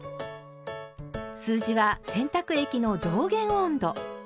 数字は「洗濯液の上限温度」。